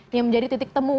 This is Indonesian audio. yang menjadi titik temu